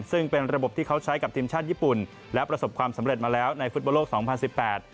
ซึ่งเป็นระบบที่เขาใช้กับทีมชาติญี่ปุ่นและประสบความสำเร็จมาแล้วในฟุตบอลโลกสองพันสิบแปด